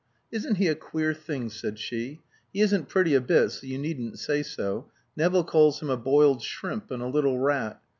"Isn't he a queer thing?" said she. "He isn't pretty a bit, so you needn't say so. Nevill calls him a boiled shrimp, and a little rat.